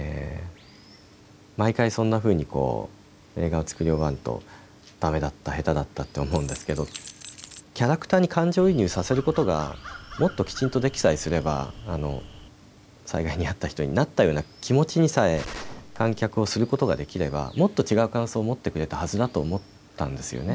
毎回、そんなふうに映画を作り終わるとだめだった、下手だったと思うんですけどキャラクターに感情移入させることがもっときちんとできさえすれば災害に遭った人になったような気持ちにさえ観客をすることができればもっと違う感想を持ってくれたはずだと思ったんですよね。